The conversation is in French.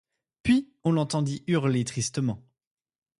Puis, on l’entendit hurler tristement.